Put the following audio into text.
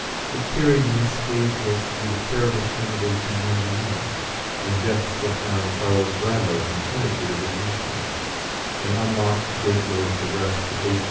It carried me scatheless through the terrible spring of 1891, when death struck down Charles Bradlaugh in the plenitude of his usefulness, and unlocked the gateway into rest for H.